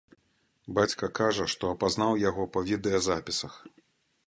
Бацька кажа, што апазнаў яго па відэазапісах.